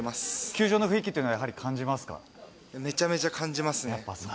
球場の雰囲気っていうのはやめちゃめちゃ感じますね。